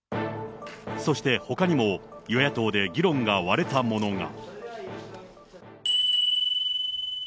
そしてほかにも与野党で議論が割れたものが。